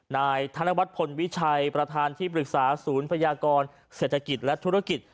นายธนวัฒนพลวิชัยประธานที่ปรึกษาศูนย์พยากรเศรษฐกิจและธุรกิจ